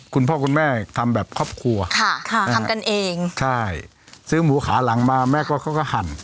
คุณพ่อคุณแม่ทำแบบครอบครัวค่ะทำกันเองใช่ซื้อหมูขาหลังมาแม่ก็เขาก็หั่น